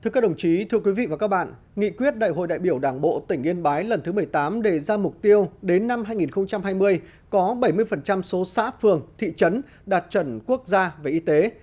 các bạn hãy đăng ký kênh để ủng hộ kênh của chúng mình nhé